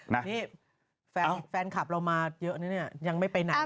นี่ไฟงท์แฟนคลับเรามาเยอะนิยังไม่ไปหนัน